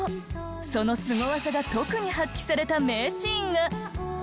そのスゴ技が特に発揮された名シーンが。